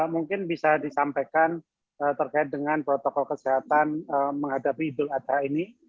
mungkin bisa disampaikan terkait dengan protokol kesehatan menghadapi idul adha ini